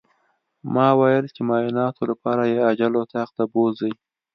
ما ويل چې د معايناتو لپاره يې عاجل اتاق ته بوځئ.